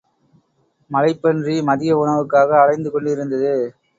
மலைப் பன்றி மதிய உணவுக்காக அலைந்துகொண்டிருந்தது.